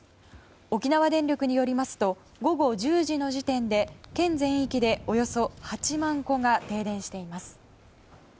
沖縄電力によりますと午後１０時の時点で県全域でおよそ８万戸が停電しています。